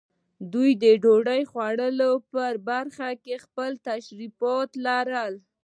دوی د ډوډۍ خوړلو په برخه کې خپل تشریفات لرل.